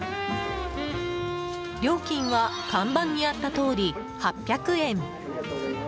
料金は、看板にあったとおり８００円。